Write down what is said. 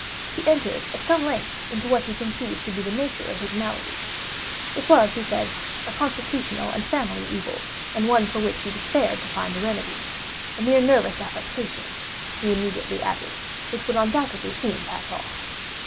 He entered, at some length, into what he conceived to be the nature of his malady. It was, he said, a constitutional and a family evil, and one for which he despaired to find a remedy—a mere nervous affection, he immediately added, which would undoubtedly soon pass off.